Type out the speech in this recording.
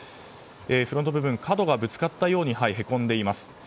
フロント部分角がぶつかったようにへこんでいます。